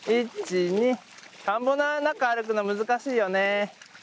田んぼの中歩くの難しいよね。